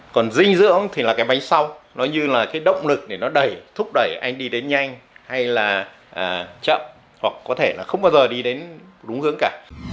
còn dinh dưỡng thì là cái máy sau nó như là cái động lực để nó đẩy thúc đẩy anh đi đến nhanh hay là chậm hoặc có thể là không bao giờ đi đến đúng hướng cả